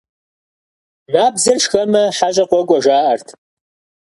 Набдзэр шхэмэ, хьэщӀэ къокӀуэ, жаӀэрт.